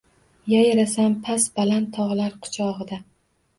Yayrasam bas baland togʼlar quchogʼida!